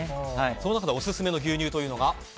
その中でのオススメ牛乳というのが？